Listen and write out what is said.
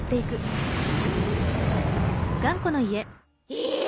え！